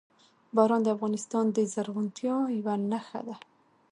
باران د افغانستان د زرغونتیا یوه نښه ده.